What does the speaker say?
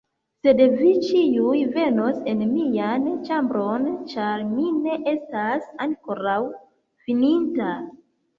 Sed vi ĉiuj venos en mian ĉambron, ĉar mi ne estas ankoraŭ fininta.